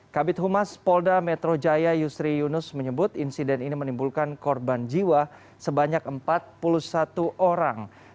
kabit humas polda metro jaya yusri yunus menyebut insiden ini menimbulkan korban jiwa sebanyak empat puluh satu orang